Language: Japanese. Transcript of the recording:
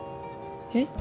えっ？